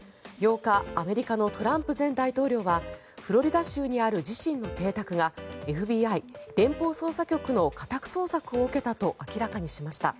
８日アメリカのトランプ前大統領はフロリダ州にある自身の邸宅がＦＢＩ・連邦捜査局の家宅捜索を受けたと明らかにしました。